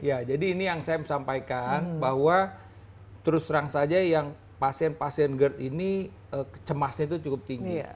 ya jadi ini yang saya sampaikan bahwa terus terang saja yang pasien pasien gerd ini cemasnya itu cukup tinggi